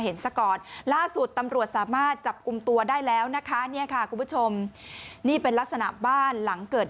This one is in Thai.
เพราะว่ามีคนมาเห็นซะก่อน